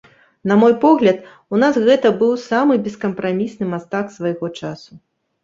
На мой погляд, у нас гэта быў самы бескампрамісны мастак свайго часу.